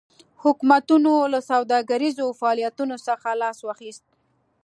حکومتونو له سوداګریزو فعالیتونو څخه لاس واخیست.